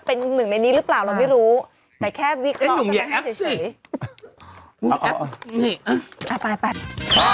เป็นหนึ่งในนี้หรือเปล่าเราไม่รู้แต่แค่วิเคราะห์เนี้ยหนุ่มอย่าแอบสิ